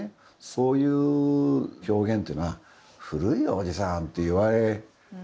そういう表現っていうのは古いよおじさんさんって言われるかなと思って。